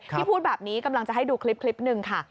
พูดแบบนี้กำลังจะให้ดูคลิปหนึ่งค่ะ